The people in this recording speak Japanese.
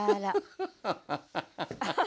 フハハハハハ。